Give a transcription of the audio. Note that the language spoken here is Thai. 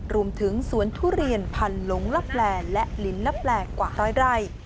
รวมถึงสวนทุเรียนพันหลงลับแลและลินลับแปลกกว่าร้อยไร่